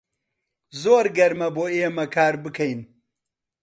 زۆر گەرمە بۆ ئێمە کار بکەین.